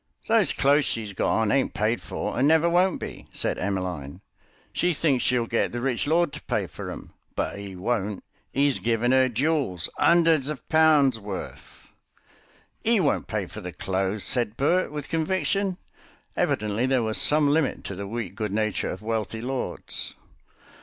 "Those clothes she's got on ain't paid for, and never won't be," said Emmeline; "she thinks she'll get the rich lord to pay for 'em, but 'e won't. 'E's given 'er jools, 'underds of pounds' worth." "'E won't pay for the clothes," said Bert, with conviction. Evidently there was some limit to the weak good nature of wealthy lords.